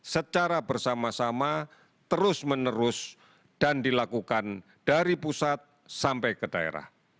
secara bersama sama terus menerus dan dilakukan dari pusat sampai ke daerah